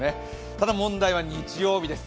ただ問題は日曜日です。